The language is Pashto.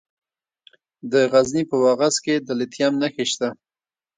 د غزني په واغظ کې د لیتیم نښې شته.